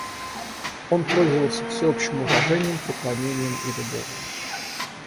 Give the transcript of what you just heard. Он пользовался всеобщим уважением, преклонением и любовью.